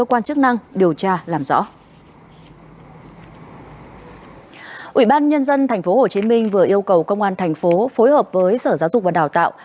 ủy ban nhân dân tp hcm vừa yêu cầu công an thành phố phối hợp với sở giáo dục và đào tạo